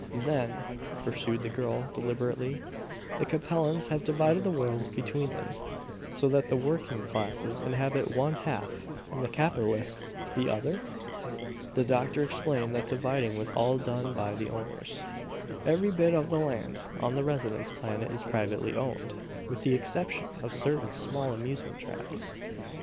"Then," pursed the girl deliberately, "the Capellans have divided the world between them, so that the working classes inhabit one half, and the capitalists the other?" The doctor explained that the dividing was all done by the owners. "Every bit of the land on the residence planet is privately owned, with the exception of certain small amusement tracts.